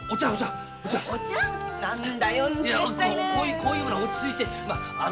こういうのは落ち着いて。